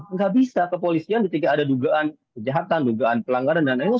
nggak bisa kepolisian ketika ada dugaan kejahatan dugaan pelanggaran dan lain lain